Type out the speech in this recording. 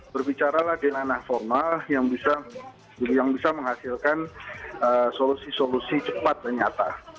berbicara lagi dengan anak formal yang bisa menghasilkan solusi solusi cepat dan nyata